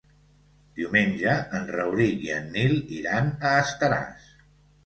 Diumenge en Rauric i en Nil iran a Estaràs.